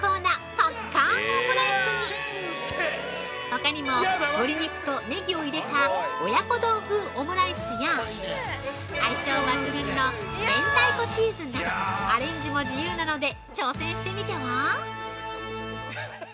ほかにも鶏肉とネギを入れた親子丼風オムライスや相性抜群の明太子チーズなどアレンジも自由なので挑戦してみては！？